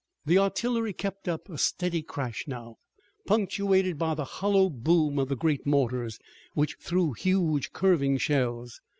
The artillery kept up a steady crash now, punctuated by the hollow boom of the great mortars, which threw huge, curving shells.